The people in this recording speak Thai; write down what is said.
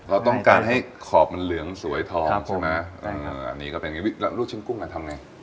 เราต้องการให้ขอบมันเหลืองสวยทองใช่ไหมอันนี้ก็เป็นอย่างนี้แล้วลูกชิ้นกุ้งอ่ะทำไง